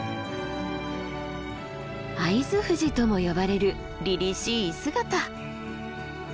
会津富士とも呼ばれるりりしい姿。